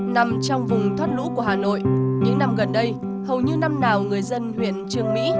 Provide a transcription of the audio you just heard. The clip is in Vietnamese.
nằm trong vùng thoát lũ của hà nội những năm gần đây hầu như năm nào người dân huyện trương mỹ